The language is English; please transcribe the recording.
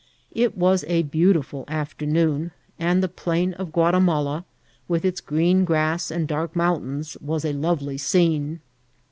It was a beautiful afternoon, and the plain of Guatimala, with its green grass and dark mountains, was a lovely scene.